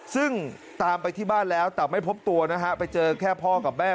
ซึ่งตามไปที่บ้านแล้วแต่ไม่พบตัวนะฮะไปเจอแค่พ่อกับแม่